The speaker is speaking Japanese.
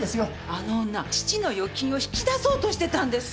あの女、父の預金を引き出そうとしていたんです。